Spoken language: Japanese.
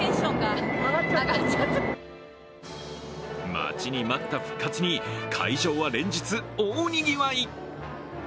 待ちに待った復活に会場は連日、大にぎわい。